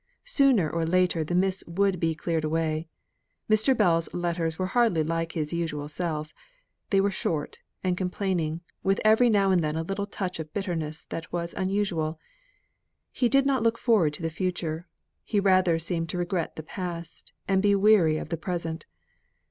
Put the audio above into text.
Sooner or later the mists would be cleared away. Mr. Bell's letters were hardly like his usual self; they were short, and complaining, with every now and then a little touch of bitterness that was unusual. He did not look forward to the future; he rather seemed to regret the past, and be weary of the present.